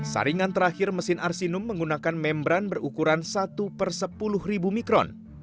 saringan terakhir mesin arsinum menggunakan membran berukuran satu per sepuluh ribu mikron